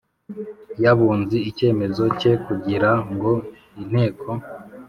y Abunzi icyemezo cye kugira ngo Inteko